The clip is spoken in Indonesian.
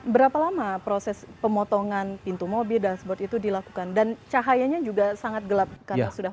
berapa lama proses pemotongan pintu mobil dashboard itu dilakukan dan cahayanya juga sangat gelap karena sudah